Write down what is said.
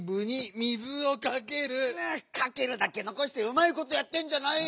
「かける」だけのこしてうまいことやってんじゃないよ！